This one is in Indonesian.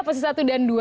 posisi satu dan dua